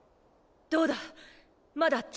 どうだ？